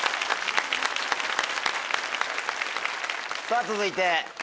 さぁ続いて。